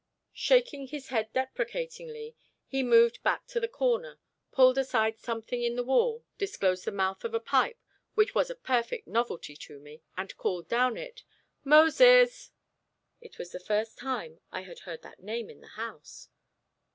Shaking his head deprecatingly, he moved back to the corner, pulled aside something in the wall, disclosed the mouth of a pipe which was a perfect novelty to me, and called down it. "Moses!" It was the first time I had heard that name in the house.